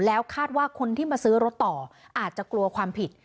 แล้วคาดว่าคนที่มาซื้อรถต่ออาจจะกลัวความผิด